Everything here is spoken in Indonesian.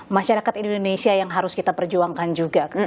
masyarakat indonesia yang harus kita perjuangkan juga